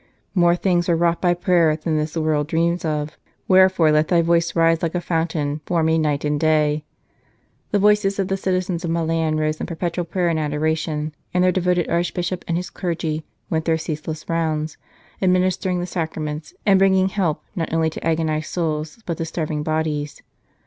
" More things are wrought by prayer Than this world dreams of. Wherefore, let thy voice Rise like a fountain for me night and day." The voices of the citizens of Milan rose in perpetual prayer and adoration, and their devoted Archbishop and his clergy went their ceaseless rounds, administering the Sacraments and bring 150 " The Greater of These " ing help, not only to agonized souls, but to starving bodies.